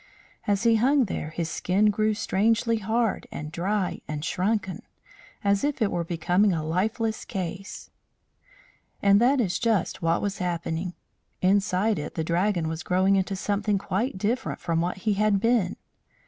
As he hung there his skin grew strangely hard and dry and shrunken, as if it were becoming a lifeless case. And that is just what was happening. Inside it the Dragon was growing into something quite different from what he had been.